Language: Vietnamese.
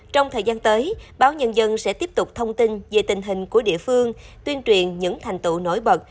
trong thời gian tới báo nhân dân sẽ tiếp tục thông tin về tình hình của địa phương tuyên truyền những thành tựu nổi bật